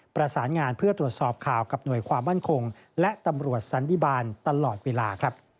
ประสานงานเพื่อตรวจสอบข่าวกับหน่วยความมั่นคงและตำรวจสันติบาลตลอดเวลา